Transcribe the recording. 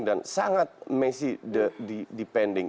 dan sangat messi depending